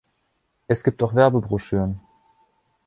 Es gibt auch Werbebroschüren.